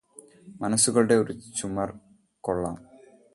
മനസ്സുകളുടെ ഒരു ചുമർകൊള്ളാം